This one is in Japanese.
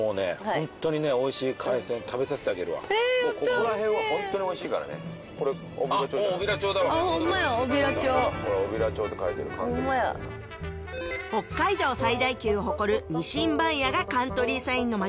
ホントにねおいしい海鮮食べさせてあげるわもうここら辺はホントにおいしいからねこれ小平町じゃないあっほんまや小平町ほらっ「小平町」って書いてるカントリーサインが北海道最大級を誇る鰊番屋がカントリーサインの町